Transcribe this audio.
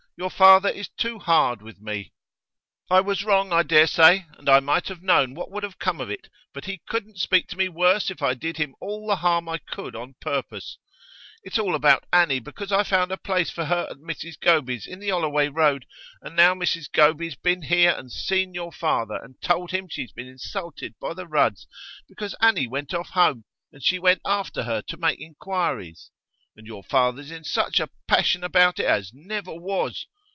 Your father is too hard with me. I was wrong, I dare say, and I might have known what would have come of it, but he couldn't speak to me worse if I did him all the harm I could on purpose. It's all about Annie, because I found a place for her at Mrs Goby's in the 'Olloway Road; and now Mrs Goby's been here and seen your father, and told him she's been insulted by the Rudds, because Annie went off home, and she went after her to make inquiries. And your father's in such a passion about it as never was.